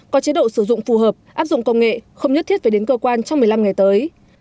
có chế độ sử dụng phù hợp áp dụng công nghệ không nhất thiết phải đến cơ quan trong một mươi năm ngày tới